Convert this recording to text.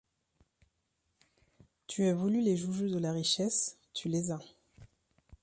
Tu as voulu les joujoux de la richesse, tu les as.